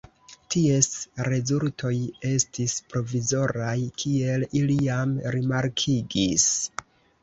Ties rezultoj estis provizoraj, kiel ili jam rimarkigis.